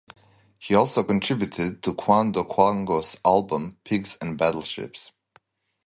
He also contributed to Quando Quango's album, Pigs and Battleships.